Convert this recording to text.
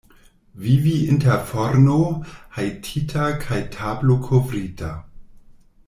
Vivi inter forno hejtita kaj tablo kovrita.